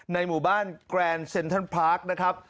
หมู่บ้านแกรนเซ็นทรัลพาร์คนะครับ